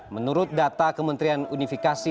menurut data kementerian unifikasi